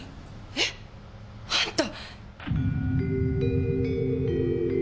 えっ？あんた。